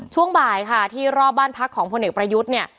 ช่วงบ่ายค่ะที่รอบบ้านพักของพลเอกประยุทธ์เนี่ย